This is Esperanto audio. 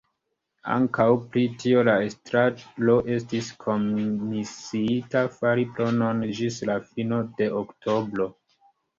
Ankaŭ pri tio la Estraro estis komisiita fari proponon ĝis la fino de oktobro.